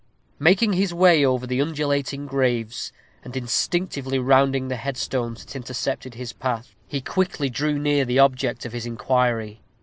Making his way over the undulating graves, and instinctively rounding the headstones that intercepted his path, he quickly drew near the object of his inquiry.